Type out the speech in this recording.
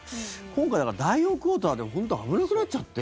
今回、なんか第４クオーターで本当危なくなっちゃって。